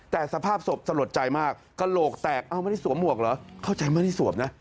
แต่สภาพศพสลดใจมากกระโหลกแตกเอ้าไม่ได้สวมหมวกเหรอเข้าใจไม่ได้สวมนะ